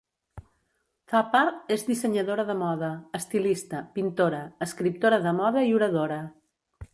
Thapar és dissenyadora de moda, estilista, pintora, escriptora de moda i oradora.